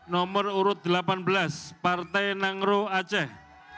nomor urut delapan belas partai nangro aceh